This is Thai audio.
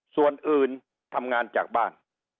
ส่วนอื่นทำงานจากบ้าน